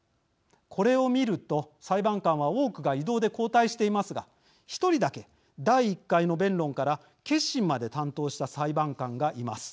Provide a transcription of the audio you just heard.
これを見ると、裁判官は多くが異動で交代していますが１人だけ、第１回の弁論から結審まで担当した裁判官がいます。